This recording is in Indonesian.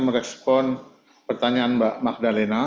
merespon pertanyaan mbak magdalena